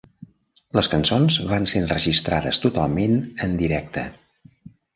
Les cançons van ser enregistrades totalment en directe.